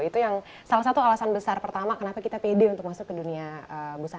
itu yang salah satu alasan besar pertama kenapa kita pede untuk masuk ke dunia busana